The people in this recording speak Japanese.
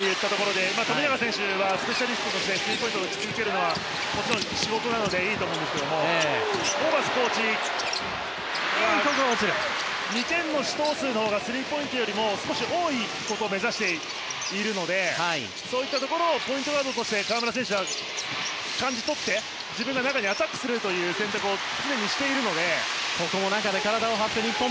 先ほど、エブリンさんも２点をもう少し攻めたいといったところで富永選手はスペシャリストとしてスリーポイントを打ち続けるのは仕事なので、いいと思うんですがホーバスコーチは２点の試投数のほうがスリーポイントよりも少し多いことを目指しているのでそういったところをポイントガードとして河村選手は感じ取って自分が中にアタックするという選択を常にしているので。